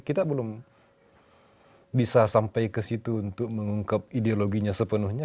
kita belum bisa sampai ke situ untuk mengungkap ideologinya sepenuhnya